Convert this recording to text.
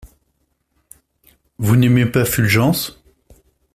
Vous n’aimez pas Fulgence ?